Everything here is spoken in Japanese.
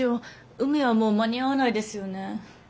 海はもう間に合わないですよね。